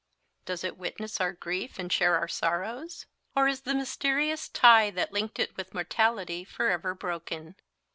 Does it witness our grief, and share our sorrows? Or is the mysterious tie that linked it with mortality forever broken?